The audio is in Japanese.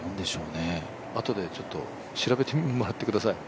あとで調べてもらってください。